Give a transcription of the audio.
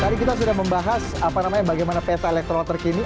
tadi kita sudah membahas bagaimana peta elektoral terkini